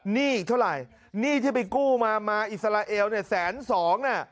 หนี้อีกเท่าไหร่หนี้ที่ไปกู้มามาอิสราเอลเนี่ยแสนสองน่ะ